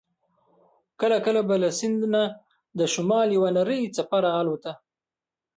کله کله به له سیند نه د شمال یوه نرۍ څپه را الوته.